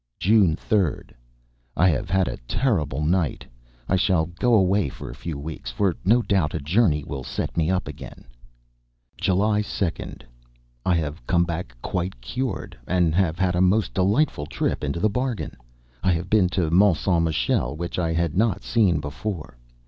June 3d. I have had a terrible night. I shall go away for a few weeks, for no doubt a journey will set me up again. July 2d. I have come back, quite cured, and have had a most delightful trip into the bargain. I have been to Mont Saint Michel, which I had not seen before.